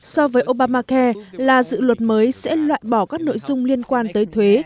so với obamacare là dự luật mới sẽ loại bỏ các nội dung liên quan tới thuế